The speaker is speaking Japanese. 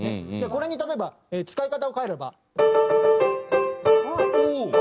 これに例えば使い方を変えれば。